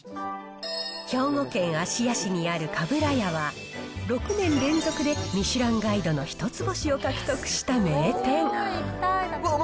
兵庫県芦屋市にあるかぶらやは、６年連続でミシュランガイドの一つ星を獲得した名店。